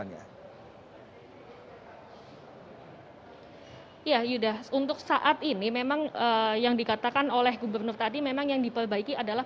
ya yuda untuk saat ini memang yang dikatakan oleh gubernur tadi memang yang diperbaiki adalah